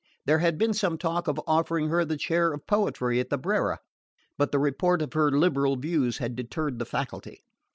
There had been some talk of offering her the chair of poetry at the Brera; but the report of her liberal views had deterred the faculty.